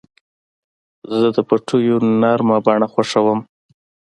زه د پټیو نرمه بڼه خوښوم.